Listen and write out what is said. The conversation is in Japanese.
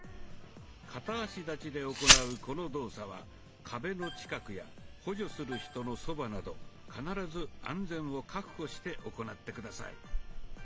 片足立ちで行うこの動作は壁の近くや補助する人のそばなど必ず安全を確保して行って下さい。